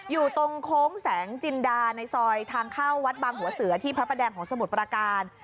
อยู่ตรงโค้งแสงจินดาในซอยทางเข้าวัดบางหัวเสือที่พระประแดงของสมุทรประการ